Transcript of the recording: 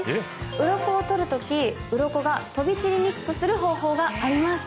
ウロコを取る時ウロコが飛び散りにくくする方法があります。